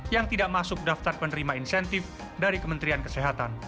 yang tidak masuk daftar penerima insentif dari kementerian kesehatan